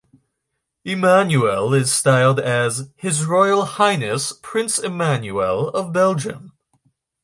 Emmanuel is styled as "His Royal Highness Prince Emmanuel of Belgium".